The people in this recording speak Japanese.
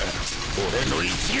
俺の一撃。